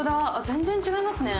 全然違いますね。